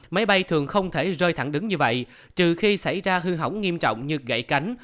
máy bay thường không thể rơi thẳng đứng như vậy trừ khi xảy ra hư hỏng nghiêm trọng như gậy cánh